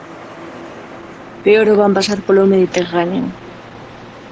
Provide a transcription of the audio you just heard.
Peor o van pasar polo Mediterráneo.